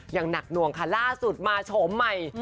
อย่างหนักหน่วงค่ะล่าสุดมาโฉมใหม่